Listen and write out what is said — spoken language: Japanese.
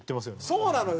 そうなのよ。